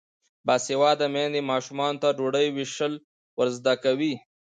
باسواده میندې ماشومانو ته ډوډۍ ویشل ور زده کوي.